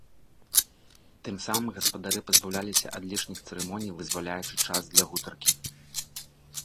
Тым самым гаспадары пазбаўляліся ад лішніх цырымоній, вызваляючы час для гутаркі.